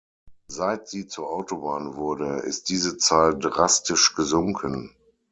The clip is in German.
Seit sie zur Autobahn wurde, ist diese Zahl drastisch gesunken.